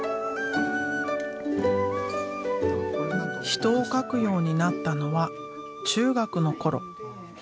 人を描くようになったのは中学の頃。